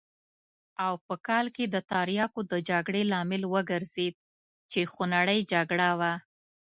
او په کال کې د تریاکو د جګړې لامل وګرځېد چې خونړۍ جګړه وه.